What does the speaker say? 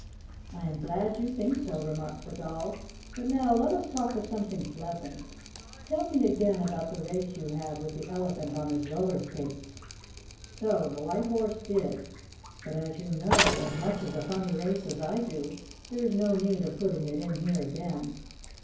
"I am glad you think so," remarked the Doll. "But now let us talk of something pleasant. Tell me, again, about the race you had with the Elephant on his roller skates." So the White Horse did, but as you know as much of that funny race as I do, there is no need of putting it in here again.